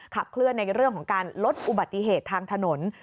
ขับเคลื่อนในเรื่องของการลดอุบัติเหตุทางถนน